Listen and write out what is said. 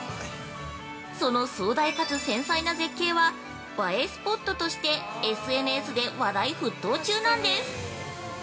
その壮大かつ繊細な絶景は、映えスポットとしてＳＮＳで話題沸騰中なんです。